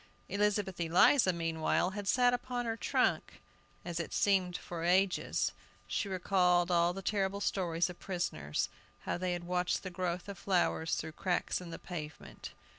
... Elizabeth Eliza meanwhile, had sat upon her trunk, as it seemed for ages. She recalled all the terrible stories of prisoners, how they had watched the growth of flowers through cracks in the pavement.